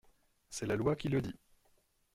C’est la loi qui le dit.